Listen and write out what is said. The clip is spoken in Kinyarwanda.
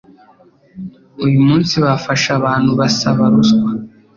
uyu munsi bafashe abantu basaba ruswa